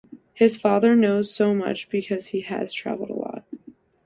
His father knows so much because he has traveled a lot.